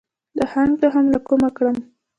د هنګ تخم له کومه کړم؟